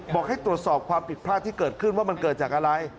บอกให้ตรวจสอบความผิดพลาดที่เกิดขึ้นว่ามันเกิดจากอะไร